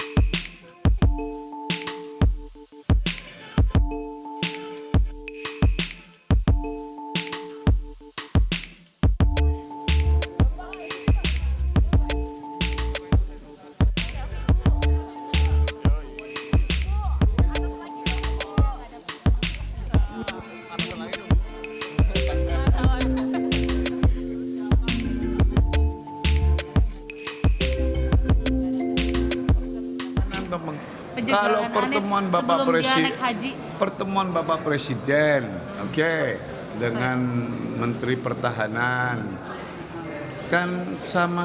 kalau pertemuan bapak presiden pertemuan bapak presiden oke dengan menteri pertahanan kan sama